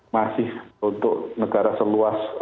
masih untuk negara seluas